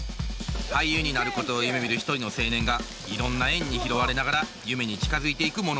俳優になることを夢みる一人の青年がいろんな縁に拾われながら夢に近づいていく物語です。